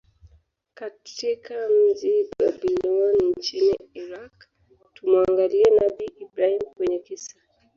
katika mji Babylon nchini Iraq Tumuangalie nabii Ibrahim kwenye kisa